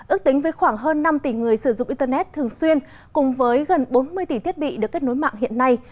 ước tính với khoảng hơn năm tỷ người sử dụng internet thường xuyên cùng với gần bốn mươi tỷ thiết bị được kết nối mạng hiện nay